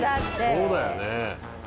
そうだよね。